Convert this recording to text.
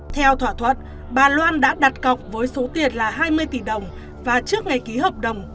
theo thỏa thuận bà loan đã đặt cọc với số tiền là hai mươi tỷ đồng và trước ngày ký hợp đồng